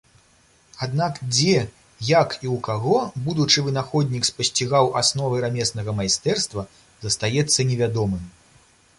Аднак, дзе, як і ў каго будучы вынаходнік спасцігаў асновы рамеснага майстэрства, застаецца невядомым.